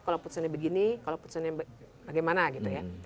kalau putusannya begini kalau putusannya bagaimana gitu ya